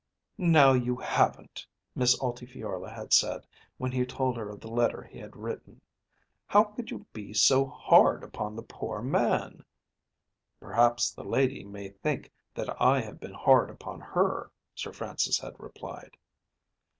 "Now you haven't!" Miss Altifiorla had said, when he told her of the letter he had written. "How could you be so hard upon the poor man?" "Perhaps the lady may think that I have been hard upon her," Sir Francis had replied.